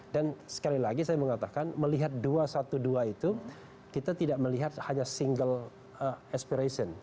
dan sekali lagi saya mengatakan melihat dua satu dua itu kita tidak melihat hanya single aspiration